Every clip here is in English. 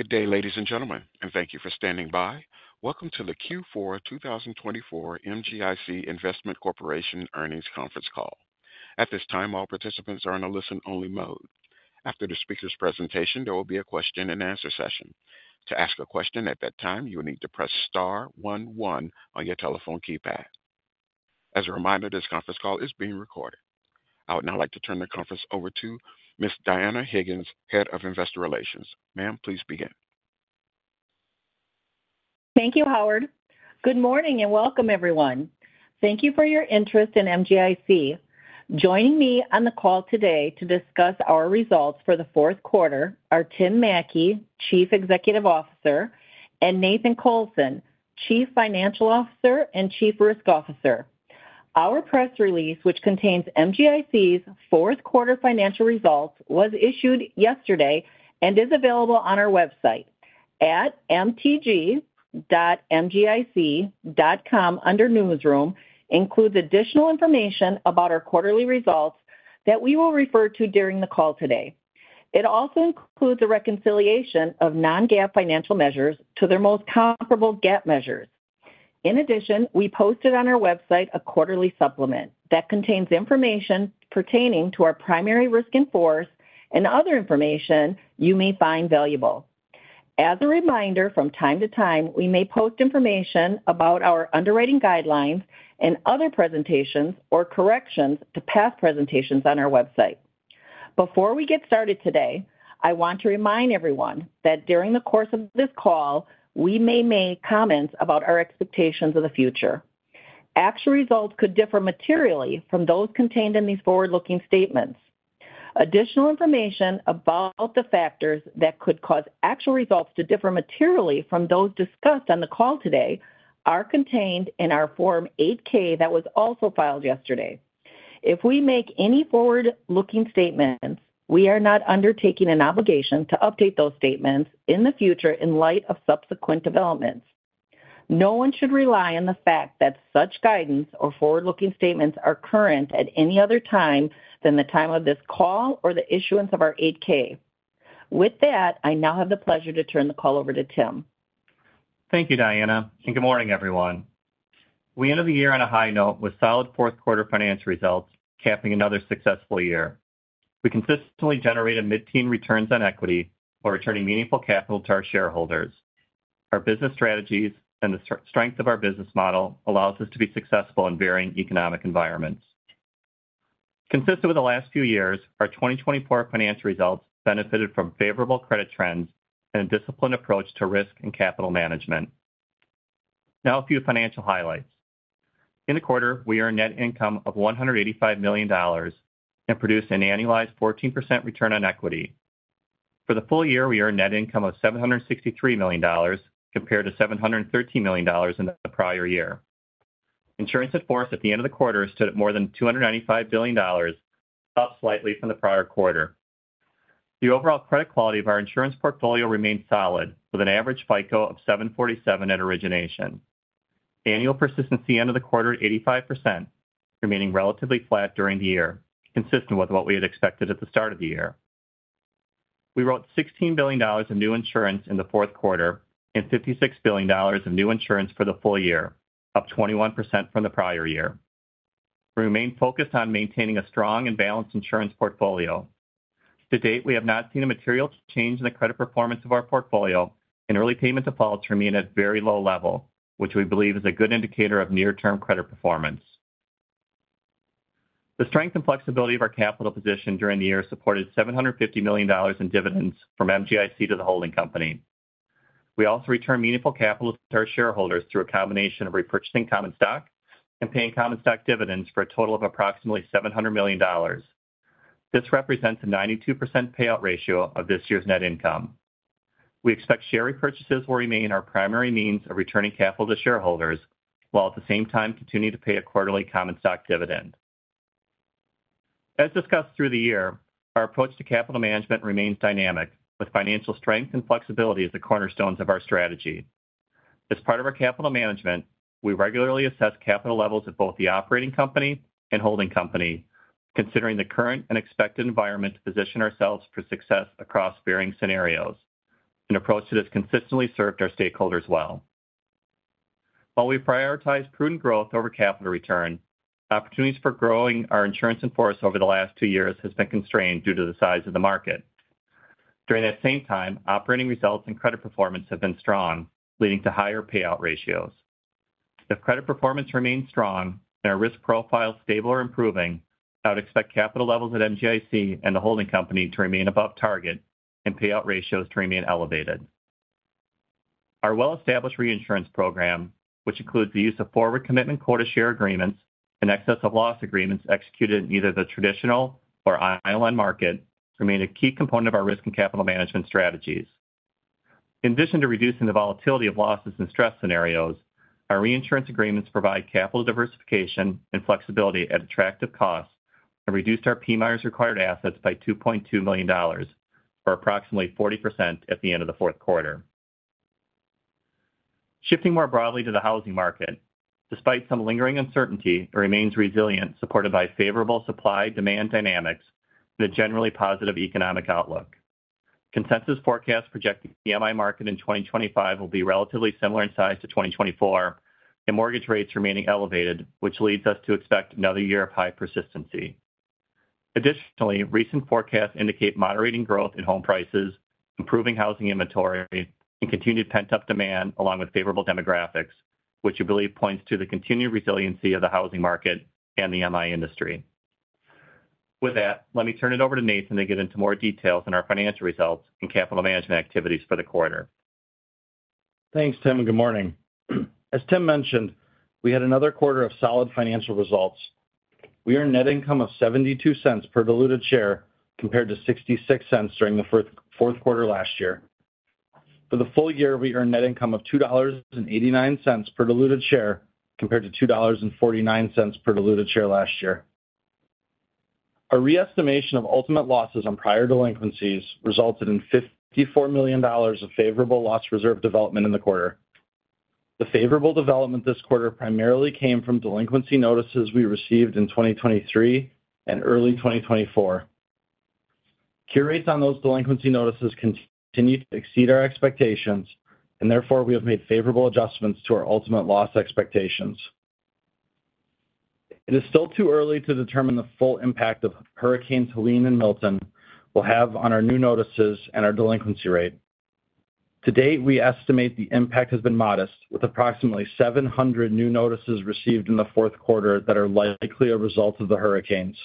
Good day, ladies and gentlemen, and thank you for standing by. Welcome to the Q4 2024 MGIC Investment Corporation earnings conference call. At this time, all participants are in a listen-only mode. After the speaker's presentation, there will be a question-and-answer session. To ask a question at that time, you will need to press star 11 on your telephone keypad. As a reminder, this conference call is being recorded. I would now like to turn the conference over to Ms. Dianna Higgins, Head of Investor Relations. Ma'am, please begin. Thank you, Howard. Good morning and welcome, everyone. Thank you for your interest in MGIC. Joining me on the call today to discuss our results for the fourth quarter are Tim Mattke, Chief Executive Officer, and Nathan Colson, Chief Financial Officer and Chief Risk Officer. Our press release, which contains MGIC's fourth quarter financial results, was issued yesterday and is available on our website. At mtg.mgic.com under Newsroom, it includes additional information about our quarterly results that we will refer to during the call today. It also includes a reconciliation of non-GAAP financial measures to their most comparable GAAP measures. In addition, we posted on our website a quarterly supplement that contains information pertaining to our primary risk in force and other information you may find valuable. As a reminder, from time to time, we may post information about our underwriting guidelines and other presentations or corrections to past presentations on our website. Before we get started today, I want to remind everyone that during the course of this call, we may make comments about our expectations of the future. Actual results could differ materially from those contained in these forward-looking statements. Additional information about the factors that could cause actual results to differ materially from those discussed on the call today is contained in our Form 8-K that was also filed yesterday. If we make any forward-looking statements, we are not undertaking an obligation to update those statements in the future in light of subsequent developments. No one should rely on the fact that such guidance or forward-looking statements are current at any other time than the time of this call or the issuance of our 8-K. With that, I now have the pleasure to turn the call over to Tim. Thank you, Dianna, and good morning, everyone. We ended the year on a high note with solid fourth-quarter financial results capping another successful year. We consistently generated mid-teen returns on equity while returning meaningful capital to our shareholders. Our business strategies and the strength of our business model allow us to be successful in varying economic environments. Consistent with the last few years, our 2024 financial results benefited from favorable credit trends and a disciplined approach to risk and capital management. Now, a few financial highlights. In the quarter, we earned net income of $185 million and produced an annualized 14% return on equity. For the full year, we earned net income of $763 million compared to $713 million in the prior year. Insurance in force at the end of the quarter stood at more than $295 billion, up slightly from the prior quarter. The overall credit quality of our insurance portfolio remained solid, with an average FICO of 747 at origination. Annual persistency ended the quarter at 85%, remaining relatively flat during the year, consistent with what we had expected at the start of the year. We wrote $16 billion of new insurance in the fourth quarter and $56 billion of new insurance for the full year, up 21% from the prior year. We remained focused on maintaining a strong and balanced insurance portfolio. To date, we have not seen a material change in the credit performance of our portfolio, and early payment defaults remain at a very low level, which we believe is a good indicator of near-term credit performance. The strength and flexibility of our capital position during the year supported $750 million in dividends from MGIC to the holding company. We also returned meaningful capital to our shareholders through a combination of repurchasing common stock and paying common stock dividends for a total of approximately $700 million. This represents a 92% payout ratio of this year's net income. We expect share repurchases will remain our primary means of returning capital to shareholders while at the same time continuing to pay a quarterly common stock dividend. As discussed through the year, our approach to capital management remains dynamic, with financial strength and flexibility as the cornerstones of our strategy. As part of our capital management, we regularly assess capital levels at both the operating company and holding company, considering the current and expected environment to position ourselves for success across varying scenarios. An approach that has consistently served our stakeholders well. While we prioritize prudent growth over capital return, opportunities for growing our insurance in force over the last two years have been constrained due to the size of the market. During that same time, operating results and credit performance have been strong, leading to higher payout ratios. If credit performance remains strong and our risk profile is stable or improving, I would expect capital levels at MGIC and the holding company to remain above target and payout ratios to remain elevated. Our well-established reinsurance program, which includes the use of forward commitment quota share agreements and excess of loss agreements executed in either the traditional or ILN market, remains a key component of our risk and capital management strategies. In addition to reducing the volatility of losses and stress scenarios, our reinsurance agreements provide capital diversification and flexibility at attractive costs and reduced our PMIERs-required assets by $2.2 million or approximately 40% at the end of the fourth quarter. Shifting more broadly to the housing market, despite some lingering uncertainty, it remains resilient, supported by favorable supply-demand dynamics and a generally positive economic outlook. Consensus forecasts project the PMI market in 2025 will be relatively similar in size to 2024, and mortgage rates remaining elevated, which leads us to expect another year of high persistency. Additionally, recent forecasts indicate moderating growth in home prices, improving housing inventory, and continued pent-up demand along with favorable demographics, which we believe points to the continued resiliency of the housing market and the MI industry. With that, let me turn it over to Nathan to get into more details on our financial results and capital management activities for the quarter. Thanks, Tim, and good morning. As Tim mentioned, we had another quarter of solid financial results. We earned net income of $0.72 per diluted share compared to $0.66 during the fourth quarter last year. For the full year, we earned net income of $2.89 per diluted share compared to $2.49 per diluted share last year. Our re-estimation of ultimate losses on prior delinquencies resulted in $54 million of favorable loss reserve development in the quarter. The favorable development this quarter primarily came from delinquency notices we received in 2023 and early 2024. Cures on those delinquency notices continue to exceed our expectations, and therefore we have made favorable adjustments to our ultimate loss expectations. It is still too early to determine the full impact of Hurricanes Helene and Milton we'll have on our new notices and our delinquency rate. To date, we estimate the impact has been modest, with approximately 700 new notices received in the fourth quarter that are likely a result of the hurricanes.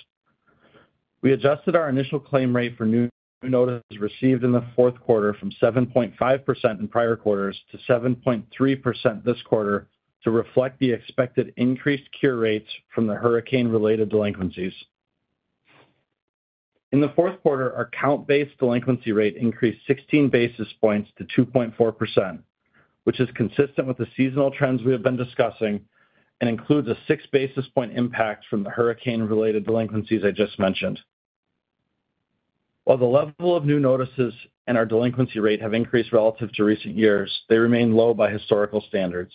We adjusted our initial claim rate for new notices received in the fourth quarter from 7.5% in prior quarters to 7.3% this quarter to reflect the expected increased cure rates from the hurricane-related delinquencies. In the fourth quarter, our count-based delinquency rate increased 16 basis points to 2.4%, which is consistent with the seasonal trends we have been discussing and includes a six-basis-point impact from the hurricane-related delinquencies I just mentioned. While the level of new notices and our delinquency rate have increased relative to recent years, they remain low by historical standards.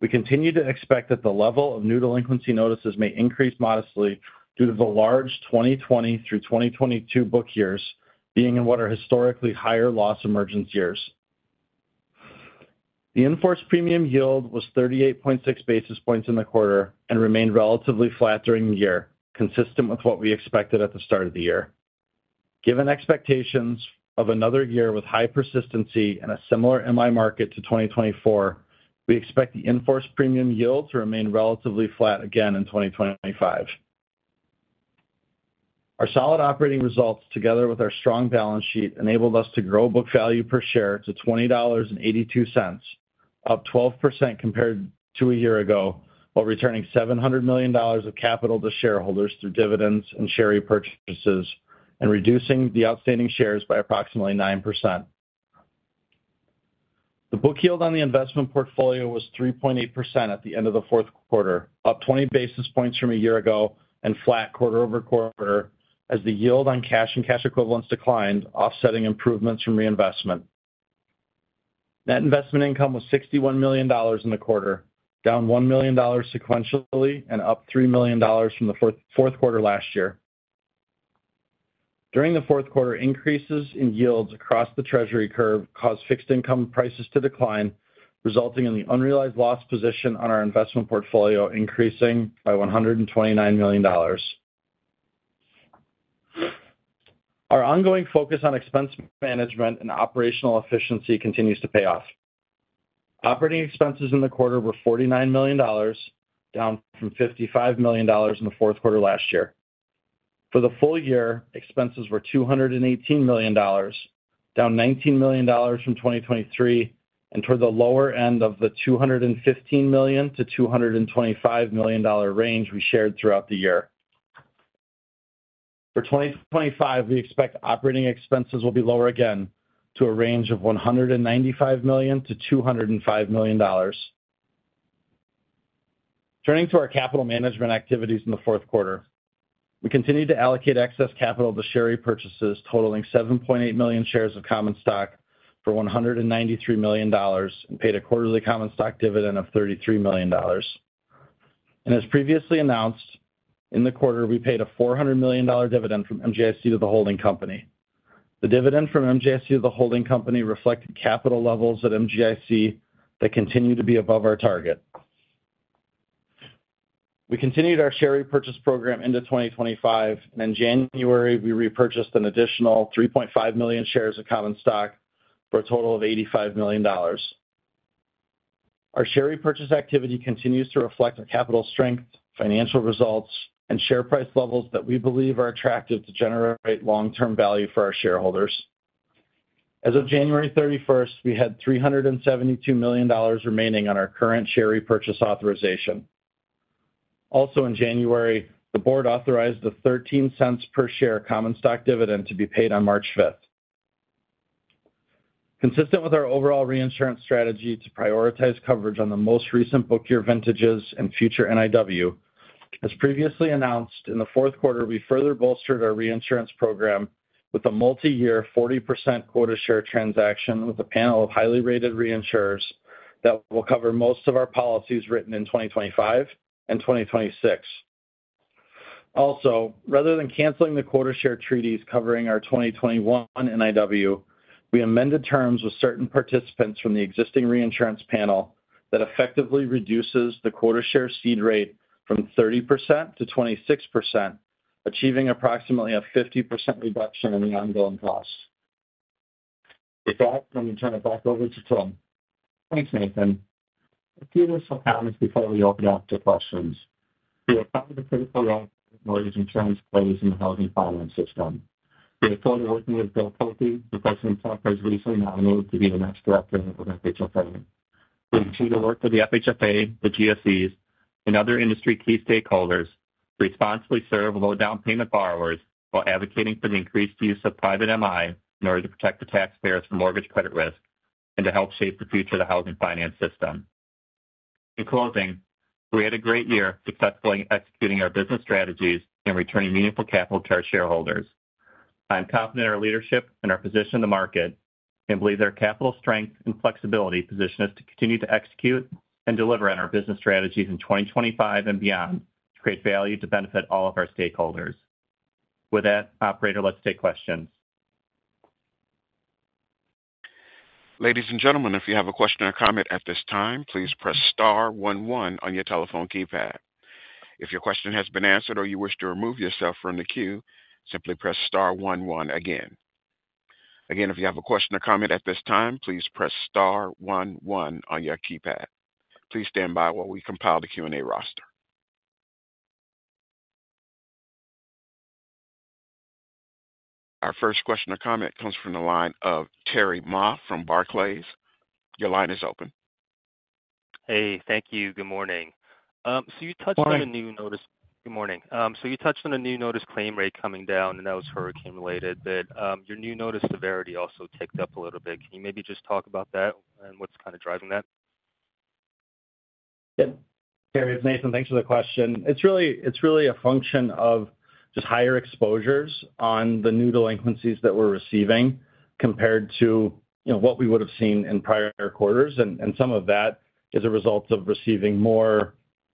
We continue to expect that the level of new delinquency notices may increase modestly due to the large 2020 through 2022 book years being in what are historically higher loss emergence years. The insurance in force premium yield was 38.6 basis points in the quarter and remained relatively flat during the year, consistent with what we expected at the start of the year. Given expectations of another year with high persistency and a similar MI market to 2024, we expect the insurance in force premium yield to remain relatively flat again in 2025. Our solid operating results, together with our strong balance sheet, enabled us to grow book value per share to $20.82, up 12% compared to a year ago, while returning $700 million of capital to shareholders through dividends and share repurchases and reducing the outstanding shares by approximately 9%. The book yield on the investment portfolio was 3.8% at the end of the fourth quarter, up 20 basis points from a year ago and flat quarter over quarter as the yield on cash and cash equivalents declined, offsetting improvements from reinvestment. Net investment income was $61 million in the quarter, down $1 million sequentially and up $3 million from the fourth quarter last year. During the fourth quarter, increases in yields across the Treasury curve caused fixed income prices to decline, resulting in the unrealized loss position on our investment portfolio increasing by $129 million. Our ongoing focus on expense management and operational efficiency continues to pay off. Operating expenses in the quarter were $49 million, down from $55 million in the fourth quarter last year. For the full year, expenses were $218 million, down $19 million from 2023, and toward the lower end of the $215 million-$225 million range we shared throughout the year. For 2025, we expect operating expenses will be lower again to a range of $195 million-$205 million. Turning to our capital management activities in the fourth quarter, we continued to allocate excess capital to share repurchases, totaling 7.8 million shares of common stock for $193 million and paid a quarterly common stock dividend of $33 million, and as previously announced, in the quarter, we paid a $400 million dividend from MGIC to the holding company. The dividend from MGIC to the holding company reflected capital levels at MGIC that continue to be above our target. We continued our share repurchase program into 2025, and in January, we repurchased an additional 3.5 million shares of common stock for a total of $85 million. Our share repurchase activity continues to reflect our capital strength, financial results, and share price levels that we believe are attractive to generate long-term value for our shareholders. As of January 31st, we had $372 million remaining on our current share repurchase authorization. Also, in January, the board authorized a $0.13 per share common stock dividend to be paid on March 5th. Consistent with our overall reinsurance strategy to prioritize coverage on the most recent book year vintages and future NIW, as previously announced, in the fourth quarter, we further bolstered our reinsurance program with a multi-year 40% quota-share transaction with a panel of highly rated reinsurers that will cover most of our policies written in 2025 and 2026. Also, rather than canceling the quota share treaties covering our 2021 NIW, we amended terms with certain participants from the existing reinsurance panel that effectively reduces the quota share ceding rate from 30% to 26%, achieving approximately a 50% reduction in the ongoing cost. With that, let me turn it back over to Tim. Thanks, Nathan. A few additional comments before we open up to questions. We are proud of the critical role that mortgage insurance plays in the housing finance system. We look forward to working with Bill Pulte, by President-elect Trump, who's recently nominated to be the next director of FHFA. We continue to work with the FHFA, the GSEs, and other industry key stakeholders to responsibly serve low-down payment borrowers while advocating for the increased use of private MI in order to protect the taxpayers from mortgage credit risk and to help shape the future of the housing finance system. In closing, we had a great year successfully executing our business strategies and returning meaningful capital to our shareholders. I am confident in our leadership and our position in the market and believe that our capital strength and flexibility position us to continue to execute and deliver on our business strategies in 2025 and beyond to create value to benefit all of our stakeholders. With that, operator, let's take questions. Ladies and gentlemen, if you have a question or comment at this time, please press star 11 on your telephone keypad. If your question has been answered or you wish to remove yourself from the queue, simply press star one one again. Again, if you have a question or comment at this time, please press star one one on your keypad. Please stand by while we compile the Q&A roster. Our first question or comment comes from the line of Terry Ma from Barclays. Your line is open. Hey, thank you. Good morning. So you touched on a new notice. Morning. Good morning. So you touched on a new notice claim rate coming down, and that was hurricane-related. But your new notice severity also ticked up a little bit. Can you maybe just talk about that and what's kind of driving that? Yeah, Terry. It's Nathan, thanks for the question. It's really a function of just higher exposures on the new delinquencies that we're receiving compared to what we would have seen in prior quarters. And some of that is a result of receiving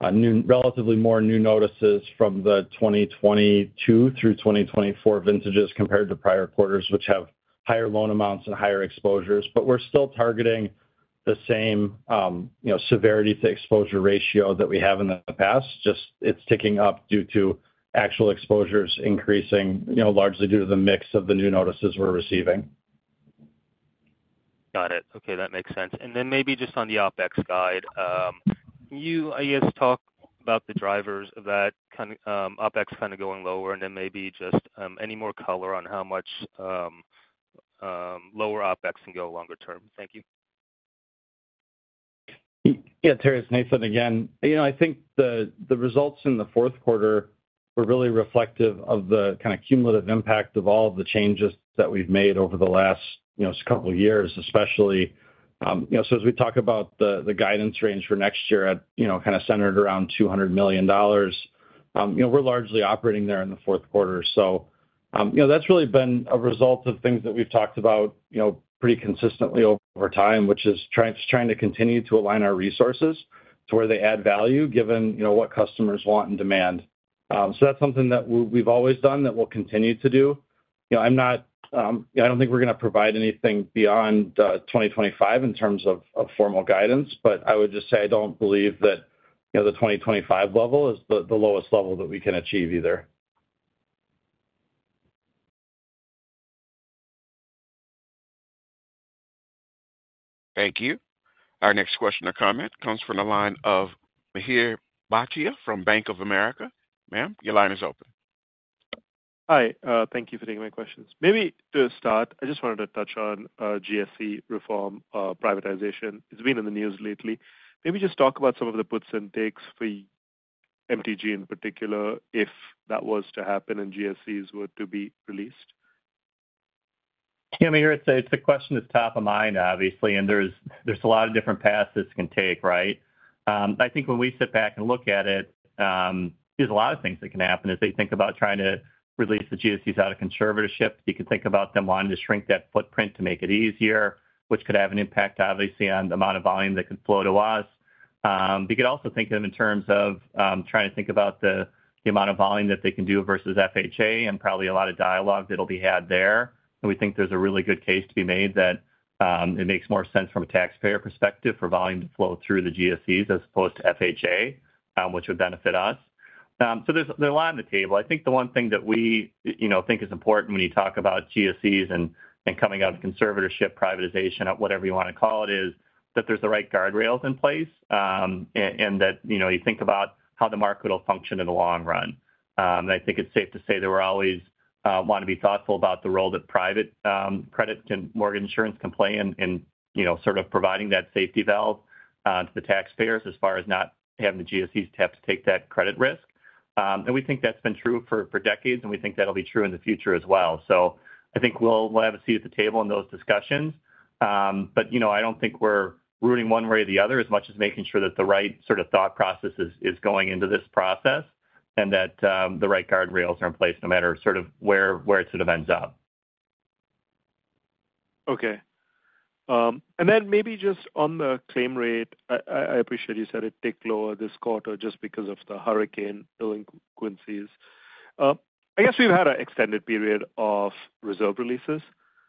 relatively more new notices from the 2022 through 2024 vintages compared to prior quarters, which have higher loan amounts and higher exposures. But we're still targeting the same severity to exposure ratio that we have in the past. Just, it's ticking up due to actual exposures increasing largely due to the mix of the new notices we're receiving. Got it. Okay. That makes sense. And then maybe just on the OpEx guide, can you, I guess, talk about the drivers of that OpEx kind of going lower and then maybe just any more color on how much lower OpEx can go longer term? Thank you. Yeah, Terry. It's Nathan again. I think the results in the fourth quarter were really reflective of the kind of cumulative impact of all of the changes that we've made over the last couple of years, especially. So as we talk about the guidance range for next year at kind of centered around $200 million, we're largely operating there in the fourth quarter. So that's really been a result of things that we've talked about pretty consistently over time, which is just trying to continue to align our resources to where they add value given what customers want and demand. So that's something that we've always done that we'll continue to do. I don't think we're going to provide anything beyond 2025 in terms of formal guidance, but I would just say I don't believe that the 2025 level is the lowest level that we can achieve either. Thank you. Our next question or comment comes from the line of Mihir Bhatia from Bank of America. Ma'am, your line is open. Hi. Thank you for taking my questions. Maybe to start, I just wanted to touch on GSE reform privatization. It's been in the news lately. Maybe just talk about some of the puts and takes for MTG in particular if that was to happen and GSEs were to be released. Yeah, Mihir, it's a question that's top of mind, obviously, and there's a lot of different paths this can take, right? I think when we sit back and look at it, there's a lot of things that can happen as they think about trying to release the GSEs out of conservatorship. You could think about them wanting to shrink that footprint to make it easier, which could have an impact, obviously, on the amount of volume that could flow to us. You could also think of them in terms of trying to think about the amount of volume that they can do versus FHA and probably a lot of dialogue that'll be had there, and we think there's a really good case to be made that it makes more sense from a taxpayer perspective for volume to flow through the GSEs as opposed to FHA, which would benefit us. So there's a lot on the table. I think the one thing that we think is important when you talk about GSEs and coming out of conservatorship, privatization, whatever you want to call it, is that there's the right guardrails in place and that you think about how the market will function in the long run. And I think it's safe to say that we always want to be thoughtful about the role that private credit and mortgage insurance can play in sort of providing that safety valve to the taxpayers as far as not having the GSEs have to take that credit risk. And we think that's been true for decades, and we think that'll be true in the future as well. So I think we'll have a seat at the table in those discussions. But I don't think we're rooting one way or the other as much as making sure that the right sort of thought process is going into this process and that the right guardrails are in place no matter sort of where it sort of ends up. Okay. And then maybe just on the claim rate, I appreciate you said it ticked lower this quarter just because of the hurricane delinquencies. I guess we've had an extended period of reserve releases.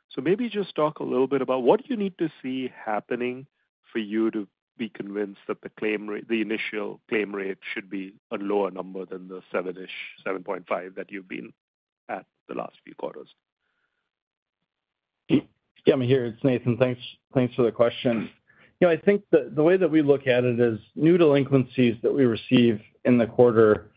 So maybe just talk a little bit about what do you need to see happening for you to be convinced that the initial claim rate should be a lower number than the 7-ish, 7.5 that you've been at the last few quarters? Yeah, Mihir, it's Nathan. Thanks for the question. I think the way that we look at it is new delinquencies that we receive in the quarter.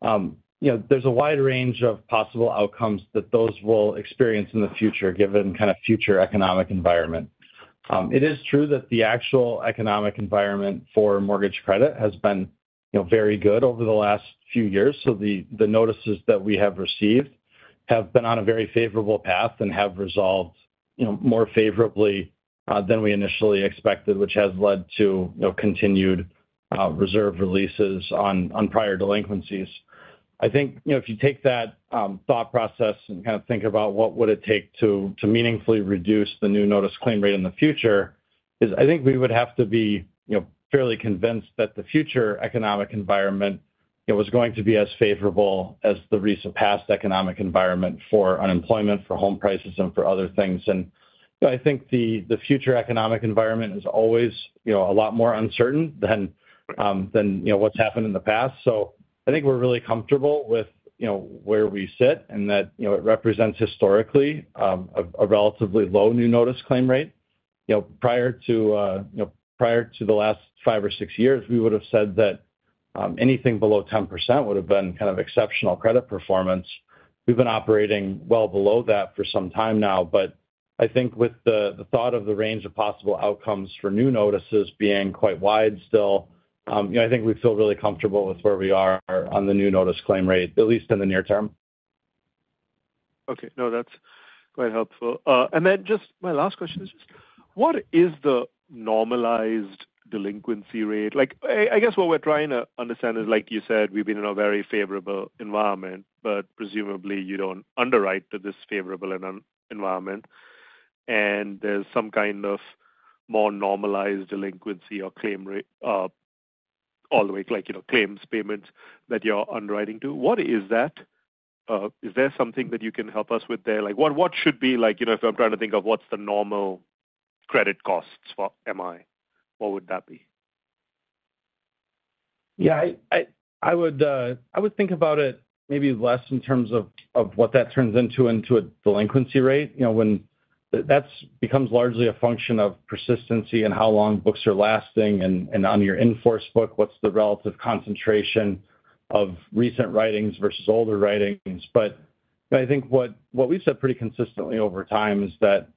There's a wide range of possible outcomes that those will experience in the future given kind of future economic environment. It is true that the actual economic environment for mortgage credit has been very good over the last few years. So the notices that we have received have been on a very favorable path and have resolved more favorably than we initially expected, which has led to continued reserve releases on prior delinquencies. I think if you take that thought process and kind of think about what would it take to meaningfully reduce the new notice claim rate in the future, I think we would have to be fairly convinced that the future economic environment was going to be as favorable as the recent past economic environment for unemployment, for home prices, and for other things, and I think the future economic environment is always a lot more uncertain than what's happened in the past, so I think we're really comfortable with where we sit and that it represents historically a relatively low new notice claim rate. Prior to the last five or six years, we would have said that anything below 10% would have been kind of exceptional credit performance. We've been operating well below that for some time now. But I think with the thought of the range of possible outcomes for new notices being quite wide still, I think we feel really comfortable with where we are on the new notice claim rate, at least in the near term. Okay. No, that's quite helpful. And then just my last question is just what is the normalized delinquency rate? I guess what we're trying to understand is, like you said, we've been in a very favorable environment, but presumably you don't underwrite to this favorable environment. And there's some kind of more normalized delinquency or claim rate all the way to claims payments that you're underwriting to. What is that? Is there something that you can help us with there? What should be if I'm trying to think of what's the normal credit costs for MI? What would that be? Yeah. I would think about it maybe less in terms of what that turns into a delinquency rate. That becomes largely a function of persistency and how long books are lasting and on your in-force book, what's the relative concentration of recent writings versus older writings. But I think what we've said pretty consistently over time is that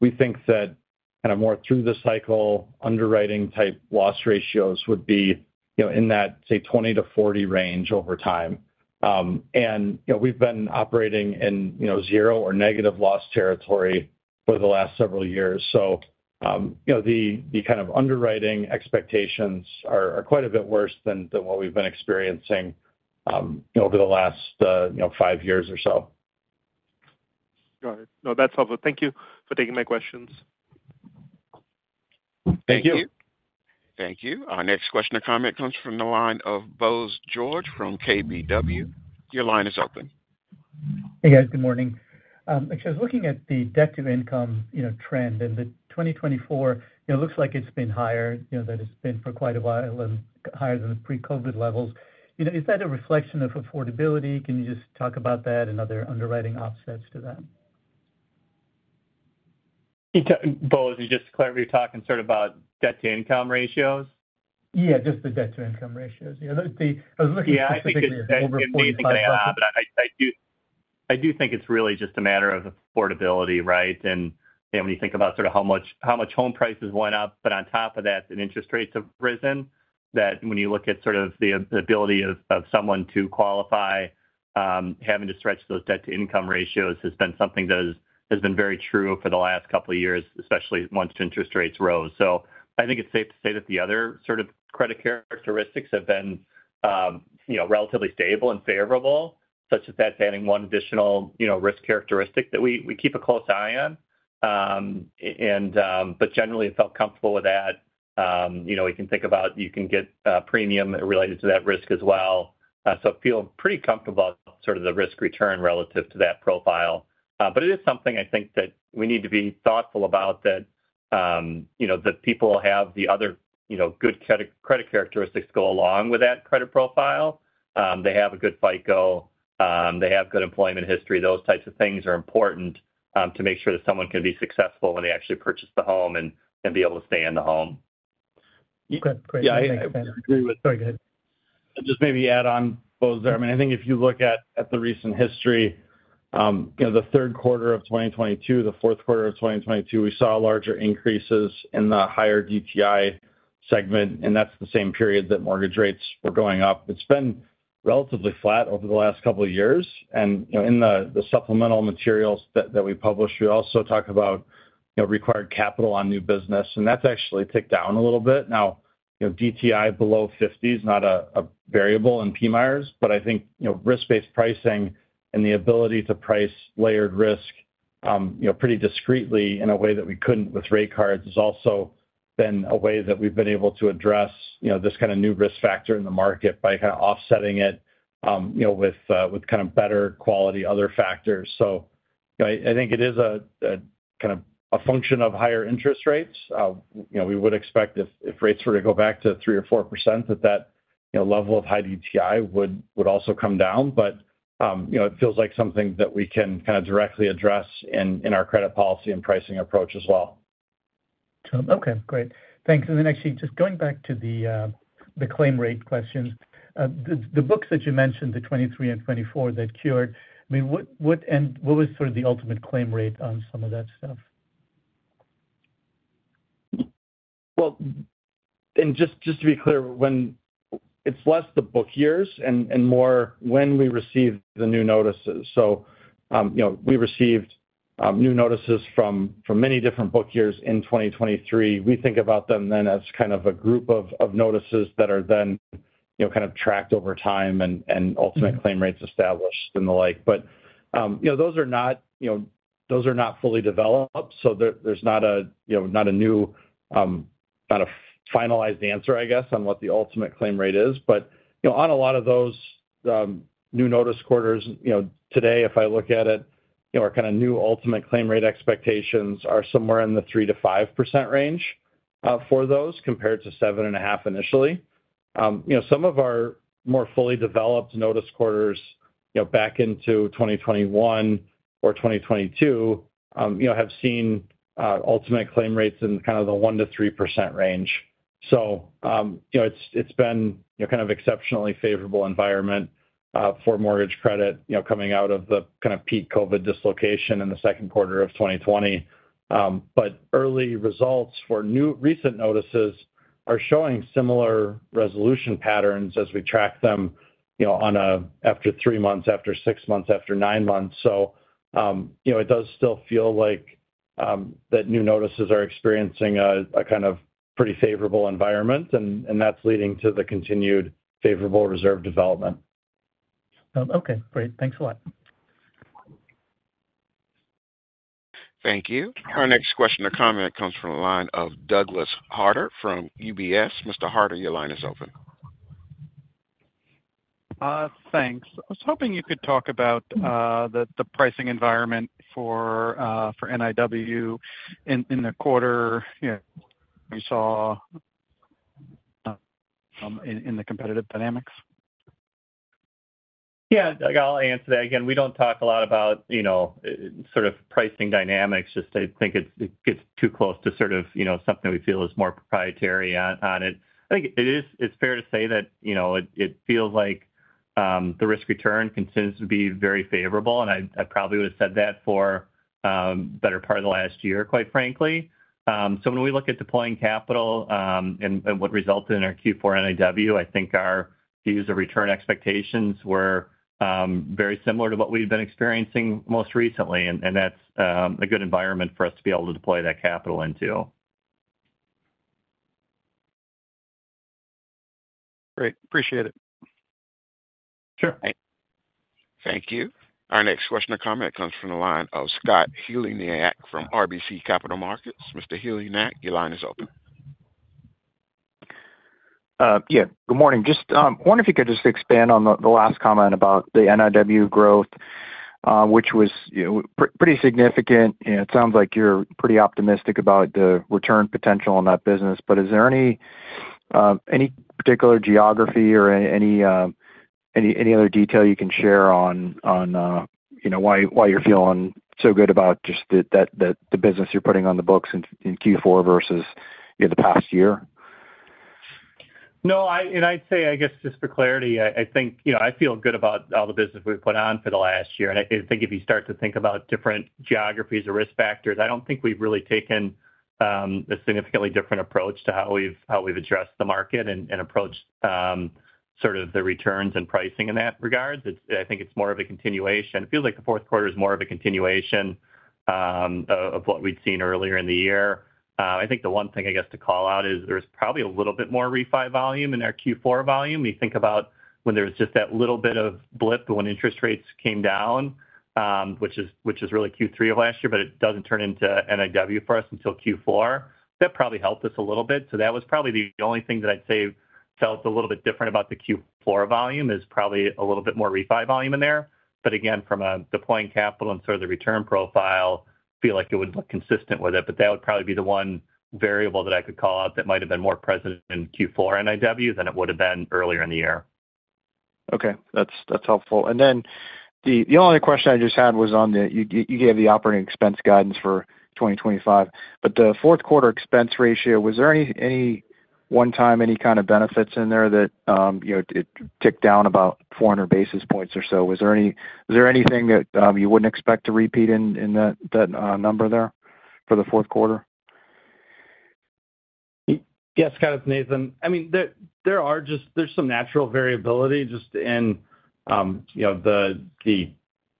we think that kind of more through the cycle underwriting type loss ratios would be in that, say, 20%-40% range over time. And we've been operating in zero or negative loss territory for the last several years. So the kind of underwriting expectations are quite a bit worse than what we've been experiencing over the last five years or so. Got it. No, that's helpful. Thank you for taking my questions. Thank you. Thank you. Our next question or comment comes from the line of Bose George from KBW. Your line is open. Hey, guys. Good morning. I was looking at the debt-to-income trend, and the 2024, it looks like it's been higher, that it's been for quite a while, higher than the pre-COVID levels. Is that a reflection of affordability? Can you just talk about that and other underwriting offsets to that? Bose, you just clearly talking sort of about debt to income ratios? Yeah, just the debt-to-income ratios. I was looking at something over 45. Yeah, I think you think they are, but I do think it's really just a matter of affordability, right? And when you think about sort of how much home prices went up, but on top of that, the interest rates have risen, that when you look at sort of the ability of someone to qualify, having to stretch those debt to income ratios has been something that has been very true for the last couple of years, especially once interest rates rose. So I think it's safe to say that the other sort of credit characteristics have been relatively stable and favorable, such as that adding one additional risk characteristic that we keep a close eye on. But generally, I felt comfortable with that. We can think about you can get a premium related to that risk as well. So I feel pretty comfortable about sort of the risk return relative to that profile. But it is something I think that we need to be thoughtful about that people have the other good credit characteristics go along with that credit profile. They have a good FICO. They have good employment history. Those types of things are important to make sure that someone can be successful when they actually purchase the home and be able to stay in the home. Okay. Great. That makes sense. Yeah, I think. Sorry, go ahead. Just maybe add on, Bose there. I mean, I think if you look at the recent history, the third quarter of 2022, the fourth quarter of 2022, we saw larger increases in the higher DTI segment, and that's the same period that mortgage rates were going up. It's been relatively flat over the last couple of years. And in the supplemental materials that we publish, we also talk about required capital on new business, and that's actually ticked down a little bit. Now, DTI below 50 is not a variable in PMIERs, but I think risk-based pricing and the ability to price layered risk pretty discreetly in a way that we couldn't with rate cards has also been a way that we've been able to address this kind of new risk factor in the market by kind of offsetting it with kind of better quality other factors. So I think it is kind of a function of higher interest rates. We would expect if rates were to go back to 3% or 4%, that that level of high DTI would also come down. But it feels like something that we can kind of directly address in our credit policy and pricing approach as well. Okay. Great. Thanks. And then actually, just going back to the claim rate questions, the books that you mentioned, the 2023 and 2024 that cured, I mean, what was sort of the ultimate claim rate on some of that stuff? Well, and just to be clear, it's less the book years and more when we received the new notices. So we received new notices from many different book years in 2023. We think about them then as kind of a group of notices that are then kind of tracked over time and ultimate claim rates established and the like. But those are not fully developed, so there's not a new, not a finalized answer, I guess, on what the ultimate claim rate is. But on a lot of those new notice quarters today, if I look at it, our kind of new ultimate claim rate expectations are somewhere in the 3%-5% range for those compared to 7.5% initially. Some of our more fully developed notice quarters back into 2021 or 2022 have seen ultimate claim rates in kind of the 1%-3% range. So it's been a kind of exceptionally favorable environment for mortgage credit coming out of the kind of peak COVID dislocation in the second quarter of 2020. But early results for recent notices are showing similar resolution patterns as we track them after three months, after six months, after nine months. So it does still feel like that new notices are experiencing a kind of pretty favorable environment, and that's leading to the continued favorable reserve development. Okay. Great. Thanks a lot. Thank you. Our next question or comment comes from the line of Douglas Harter from UBS. Mr. Harter, your line is open. Thanks. I was hoping you could talk about the pricing environment for NIW in the quarter you saw in the competitive dynamics? Yeah. I'll answer that. Again, we don't talk a lot about sort of pricing dynamics. Just I think it gets too close to sort of something we feel is more proprietary on it. I think it is fair to say that it feels like the risk return continues to be very favorable. And I probably would have said that for the better part of the last year, quite frankly. So when we look at deploying capital and what resulted in our Q4 NIW, I think our views of return expectations were very similar to what we've been experiencing most recently. And that's a good environment for us to be able to deploy that capital into. Great. Appreciate it. Sure. Thank you. Our next question or comment comes from the line of Scott Heleniak from RBC Capital Markets. Mr. Heleniak, your line is open. Yeah. Good morning. Just wondering if you could just expand on the last comment about the NIW growth, which was pretty significant. It sounds like you're pretty optimistic about the return potential on that business. But is there any particular geography or any other detail you can share on why you're feeling so good about just the business you're putting on the books in Q4 versus the past year? No. And I'd say, I guess just for clarity, I think I feel good about all the business we've put on for the last year. And I think if you start to think about different geographies or risk factors, I don't think we've really taken a significantly different approach to how we've addressed the market and approached sort of the returns and pricing in that regard. I think it's more of a continuation. It feels like the fourth quarter is more of a continuation of what we'd seen earlier in the year. I think the one thing I guess to call out is there's probably a little bit more refi volume in our Q4 volume. You think about when there was just that little bit of blip when interest rates came down, which is really Q3 of last year, but it doesn't turn into NIW for us until Q4. That probably helped us a little bit. So that was probably the only thing that I'd say felt a little bit different about the Q4 volume is probably a little bit more refi volume in there. But again, from a deploying capital and sort of the return profile, I feel like it would look consistent with it. But that would probably be the one variable that I could call out that might have been more present in Q4 NIW than it would have been earlier in the year. Okay. That's helpful. And then the only question I just had was on the one you gave the operating expense guidance for 2025. But the fourth quarter expense ratio, was there any one-time, any kind of benefits in there that it ticked down about 400 basis points or so? Was there anything that you wouldn't expect to repeat in that number there for the fourth quarter? Yes, Scott. It's Nathan. I mean, there are just some natural variability just in the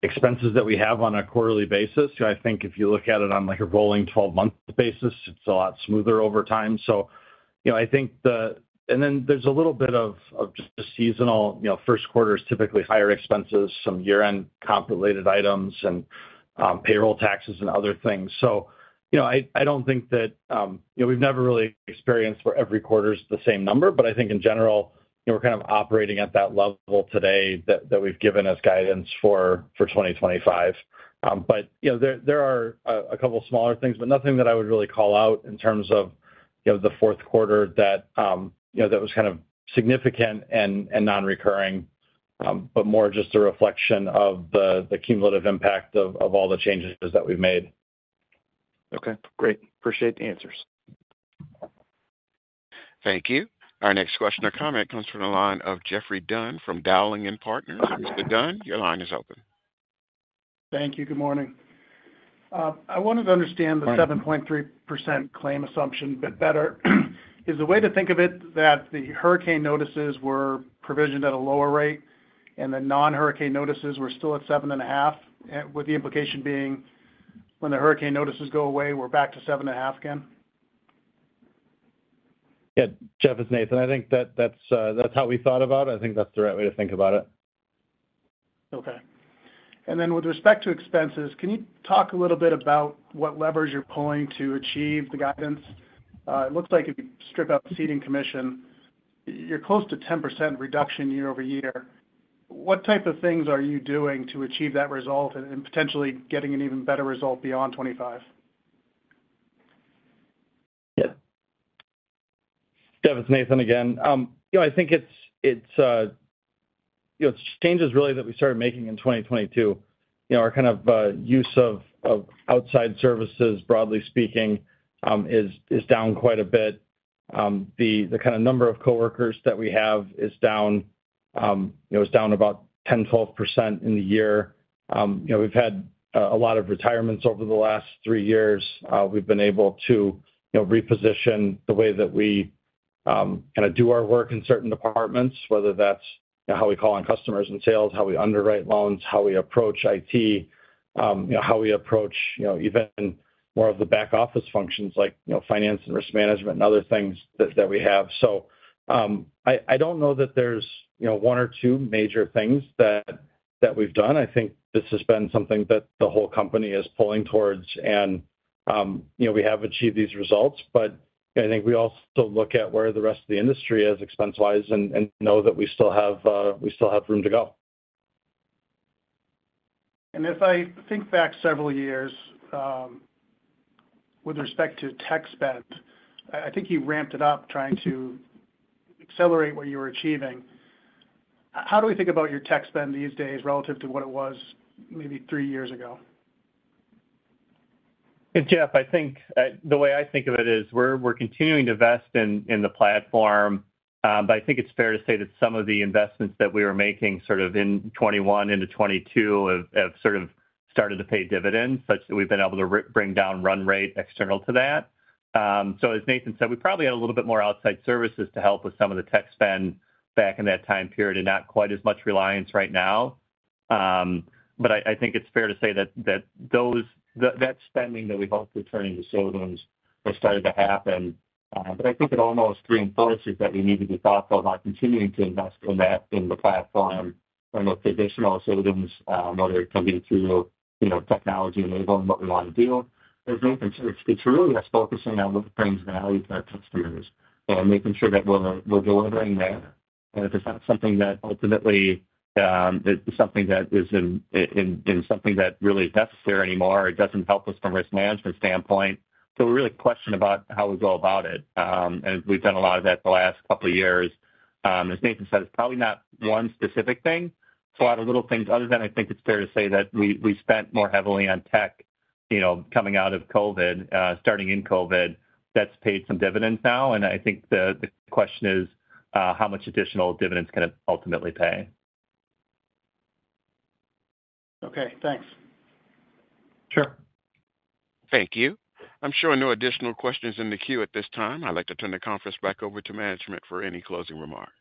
expenses that we have on a quarterly basis. I think if you look at it on a rolling 12-month basis, it's a lot smoother over time. So I think, and then there's a little bit of just seasonal. First quarter is typically higher expenses, some year-end comp-related items, and payroll taxes and other things. So I don't think that we've never really experienced for every quarter the same number. But I think in general, we're kind of operating at that level today that we've given as guidance for 2025. But there are a couple of smaller things, but nothing that I would really call out in terms of the fourth quarter that was kind of significant and non-recurring, but more just a reflection of the cumulative impact of all the changes that we've made. Okay. Great. Appreciate the answers. Thank you. Our next question or comment comes from the line of Geoffrey Dunn from Dowling & Partners. Mr. Dunn, your line is open. Thank you. Good morning. I wanted to understand the 7.3% claim assumption a bit better. Is the way to think of it that the hurricane notices were provisioned at a lower rate and the non-hurricane notices were still at 7.5, with the implication being when the hurricane notices go away, we're back to 7.5 again? Yeah. Geoff. It's Nathan, I think that's how we thought about it. I think that's the right way to think about it. Okay. And then with respect to expenses, can you talk a little bit about what levers you're pulling to achieve the guidance? It looks like if you strip out the ceding commission, you're close to 10% reduction year over year. What type of things are you doing to achieve that result and potentially getting an even better result beyond 2025? Yeah. Jeff. It's Nathan again. I think it's changes really that we started making in 2022. Our kind of use of outside services, broadly speaking, is down quite a bit. The kind of number of coworkers that we have is down about 10-12% in the year. We've had a lot of retirements over the last three years. We've been able to reposition the way that we kind of do our work in certain departments, whether that's how we call on customers and sales, how we underwrite loans, how we approach IT, how we approach even more of the back office functions like finance and risk management and other things that we have. So I don't know that there's one or two major things that we've done. I think this has been something that the whole company is pulling towards, and we have achieved these results. But I think we also look at where the rest of the industry is expense-wise and know that we still have room to go. As I think back several years with respect to tech spend, I think you ramped it up trying to accelerate what you were achieving. How do we think about your tech spend these days relative to what it was maybe three years ago? Jeff, I think the way I think of it is we're continuing to invest in the platform. But I think it's fair to say that some of the investments that we were making sort of in 2021 into 2022 have sort of started to pay dividends such that we've been able to bring down run-rate external to that. So as Nathan said, we probably had a little bit more outside services to help with some of the tech spend back in that time period and not quite as much reliance right now. But I think it's fair to say that that spending that we hoped was turning to show returns has started to happen. But I think it almost reinforces that we need to be thoughtful about continuing to invest in the platform and show returns, whether it's something through technology enabling what we want to do. It's really us focusing on what brings value to our customers and making sure that we're delivering that. And if it's not something that ultimately isn't really necessary anymore, it doesn't help us from a risk management standpoint. So we really question about how we go about it. And we've done a lot of that the last couple of years. As Nathan said, it's probably not one specific thing. It's a lot of little things other than I think it's fair to say that we spent more heavily on tech coming out of COVID, starting in COVID. That's paid some dividends now. And I think the question is how much additional dividends can it ultimately pay? Okay. Thanks. Sure. Thank you. I'm showing no additional questions in the queue at this time. I'd like to turn the conference back over to management for any closing remarks.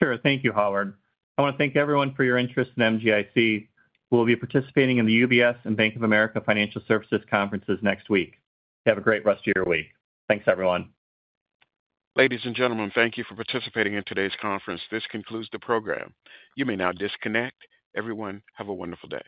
Sure. Thank you, Howard. I want to thank everyone for your interest in MGIC. We'll be participating in the UBS and Bank of America Financial Services Conferences next week. Have a great rest of your week. Thanks, everyone. Ladies and gentlemen, thank you for participating in today's conference. This concludes the program. You may now disconnect. Everyone, have a wonderful day.